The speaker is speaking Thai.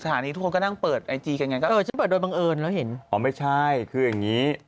้าวไม่ใช่คือยังงี้